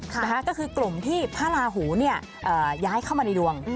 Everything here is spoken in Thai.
ก็คือกลุ่มที่พระราหูเนี่ยย้ายเข้ามาในดวง